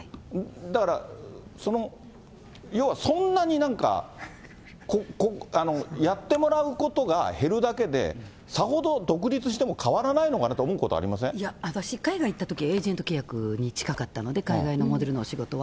だから、要は、そんなになんか、やってもらうことが減るだけで、さほど独立しても変わらないのかいや、私、海外行ったとき、エージェント契約に近かったので、海外のモデルのお仕事は。